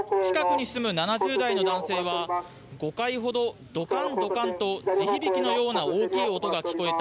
近くに住む７０代の男性は５回ほどドカン、ドカンと地響きのような大きな音が聞こえた。